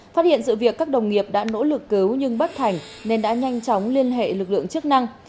phát hiện sự việc các đồng nghiệp đã nỗ lực cứu nhưng bất thành nên đã nhanh chóng liên hệ lực lượng chức năng